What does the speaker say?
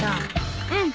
うん。